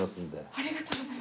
ありがとうございます。